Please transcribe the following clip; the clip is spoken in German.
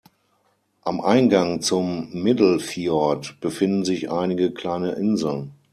Am Eingang zum "Middle Fiord" befinden sich einige kleine Inseln.